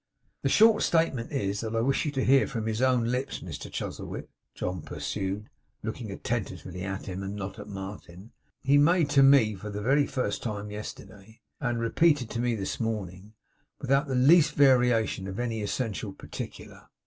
'The short statement that I wish you to hear from his own lips, Mr Chuzzlewit,' John pursued looking attentively at him, and not at Martin 'he made to me for the first time yesterday, and repeated to me this morning, without the least variation of any essential particular.